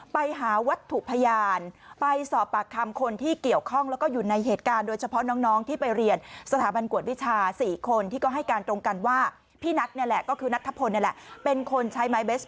ไปหาวัตถุพยานไปสอบปากคำคนที่เกี่ยวข้องแล้วก็อยู่ในเหตุการณ์โดยเฉพาะน้องที่ไปเรียนสถาบันกวดวิชา